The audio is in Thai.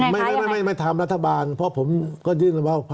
ไม่ไม่ทำรัฐบาลเพราะผมก็ยื่นว่า